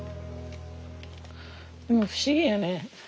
でも不思議やね。